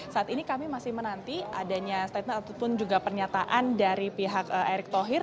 saat ini kami masih menanti adanya statement ataupun juga pernyataan dari pihak erick thohir